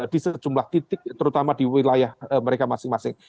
di sejumlah titik terutama di wilayah mereka masing masing